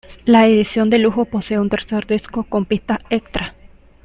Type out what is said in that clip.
La edición de lujo posee un tercer disco con pistas extras.